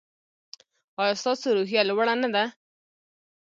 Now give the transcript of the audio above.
ایا ستاسو روحیه لوړه نه ده؟